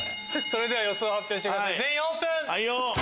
それでは予想発表してください全員オープン！